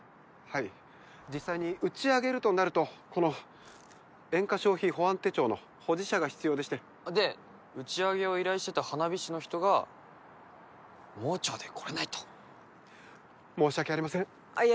はい実際に打ち上げるとなるとこの煙火消費保安手帳の保持者が必要でしてで打ち上げを依頼してた花火師の人が盲腸で来れないと申し訳ありませんあっ